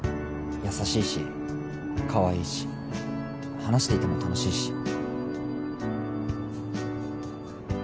優しいしかわいいし話していても楽しいし。